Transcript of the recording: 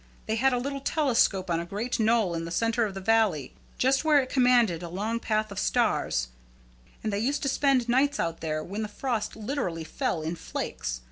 They had a little telescope on a great knoll in the centre of the valley, just where it commanded a long path of stars, and they used to spend nights out there when the frost literally fell in flakes.